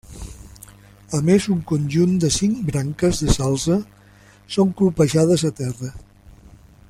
A més, un conjunt de cinc branques de salze són colpejades a terra.